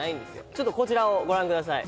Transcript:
ちょっとこちらをご覧ください。